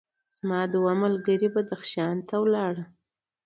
زما دوه ملګري بدخشان ته لاړل.